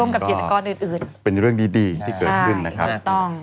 ครับผมนะครับเป็นเรื่องดีที่เกิดขึ้นนะครับต้อง